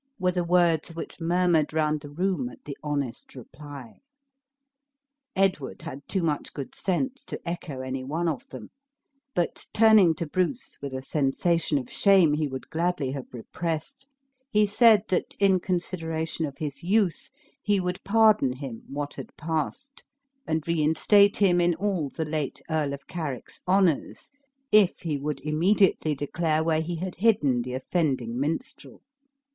were the words which murmured round the room at the honest reply. Edward had too much good sense to echo any one of them; but turning to Bruce, with a sensation of shame he would gladly have repressed, he said that, in consideration of his youth, he would pardon him what had passed, and reinstate him in all the late Earl of Carrick's honors, if he would immediately declare where he had hidden the offending minstrel.